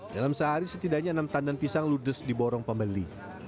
dalam sehari setidaknya enam tandan pisang ludes di borong pembeli